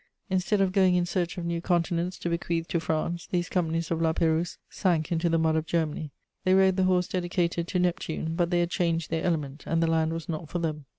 Instead of going in search of new continents to bequeath to France, these companions of La Pérouse sank into the mud of Germany. They rode the horse dedicated to Neptune; but they had changed their element, and the land was not for them.